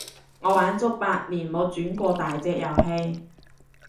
我玩足八年冇轉過第隻遊戲